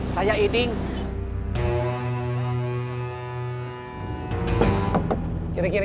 kalian pasang mobil sendiri